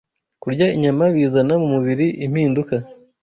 Kurya inyama bizana mu mubiri impinduka